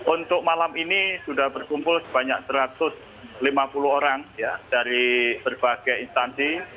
untuk malam ini sudah berkumpul sebanyak satu ratus lima puluh orang dari berbagai instansi